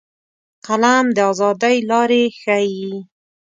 قلم د ازادۍ لارې ښيي